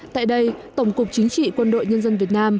tại đây tổng cục chính trị quân đội nhân dân